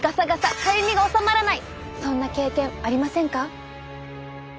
そんな経験ありませんか？